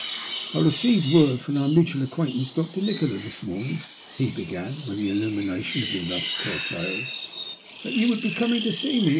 "I received word from our mutual acquaintance Dr. Nikola this morning," he began, when the illumi nation had been thus curtailed, " that you would be coming to see me.